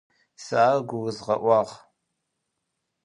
Сэ ар гурызгъэӏуагъ.